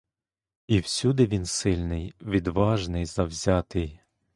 І всюди він сильний, відважний, завзятий.